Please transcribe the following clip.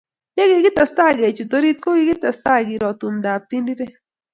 Ye kikitestai kechut orit ko kikitestai kero tumdo ab Tinderet